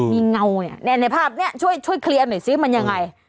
มีเงาเนี่ยในภาพนี้ช่วยเคลียร์หน่อยซิมันยังไง